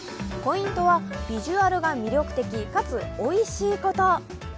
ポイントはビジュアルが魅力的かつおいしいこと。